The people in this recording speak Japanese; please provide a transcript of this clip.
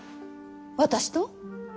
私と？